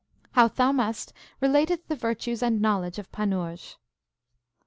How Thaumast relateth the virtues and knowledge of Panurge.